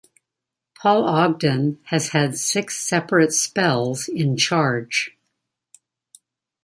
Paul Ogden has had six separate spells in charge.